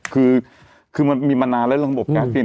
คือมันมีมานานแล้วระบบแก๊สพิม